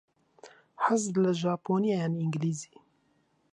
حەزت لە ژاپۆنییە یان ئینگلیزی؟